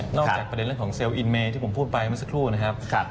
นอกจากประเด็นของเซลล์อินเมย์ที่ผมพูดไปมาสักครู่นะครับ